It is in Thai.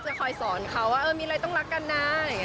ก็จะคอยสอนเขาว่ามีอะไรต้องรักกันนะ